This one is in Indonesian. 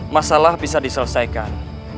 masalah bisa diselesaikan